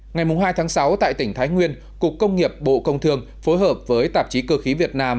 ngày hai tháng sáu tại tỉnh thái nguyên cục công nghiệp bộ công thương phối hợp với tạp chí cơ khí việt nam